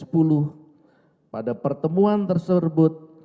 pada pertemuan tersebut